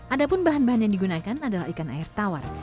ada pun bahan bahan yang digunakan adalah ikan air tawar